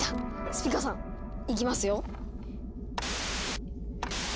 スピカさんいきますよ。